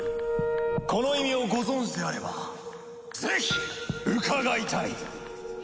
この意味をご存じであればぜひ伺いたい。